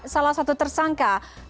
salah satu tersangka